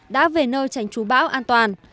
đã về nơi tránh chú bão an toàn